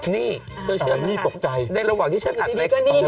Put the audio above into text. นี่เชื้อนะคะในระหว่างที่ฉันอัดเล็กอันนี้ตกใจ